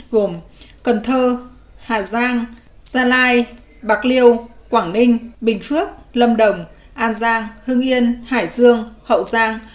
gồm cần thơ hà giang gia lai bạc liêu quảng ninh bình phước lâm đồng an giang hưng yên hải dương hậu giang